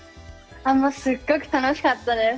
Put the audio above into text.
すっごく楽しかったです。